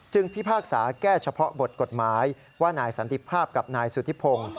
พิพากษาแก้เฉพาะบทกฎหมายว่านายสันติภาพกับนายสุธิพงศ์